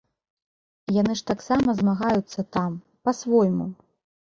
Яны ж таксама змагаюцца там, па-свойму.